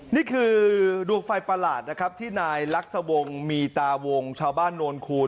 นี่คือดวงไฟประหลาดนะครับที่นายลักษวงศ์มีตาวงชาวบ้านโนนคูณ